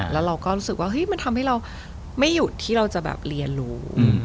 แล้วเราก็รู้สึกว่ามันทำให้เราไม่หยุดที่เราจะแบบเรียนรู้